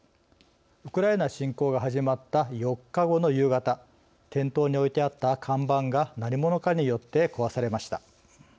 ウクライナ侵攻が始まった４日後の夕方店頭に置いてあった看板が何者かによって壊されました。